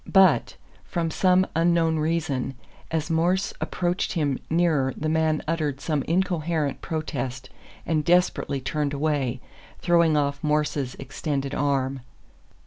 But, from some unknown reason, as Morse approached him nearer the man uttered some incoherent protest and desperately turned away, throwing off Morse's extended arm.